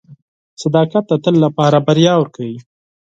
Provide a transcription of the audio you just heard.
• صداقت د تل لپاره بریا ورکوي.